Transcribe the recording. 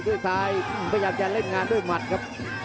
หื้อหือมีเถียงมีโต้ตลอดครับ